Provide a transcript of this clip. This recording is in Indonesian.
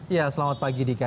ya selamat pagi dika